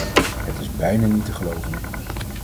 Het is bijna niet te geloven.